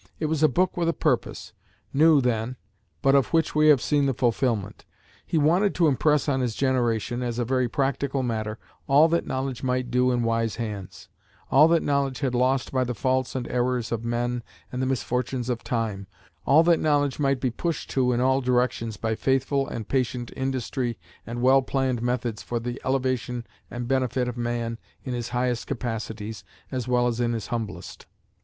It was a book with a purpose, new then, but of which we have seen the fulfilment. He wanted to impress on his generation, as a very practical matter, all that knowledge might do in wise hands, all that knowledge had lost by the faults and errors of men and the misfortunes of time, all that knowledge might be pushed to in all directions by faithful and patient industry and well planned methods for the elevation and benefit of man in his highest capacities as well as in his humblest.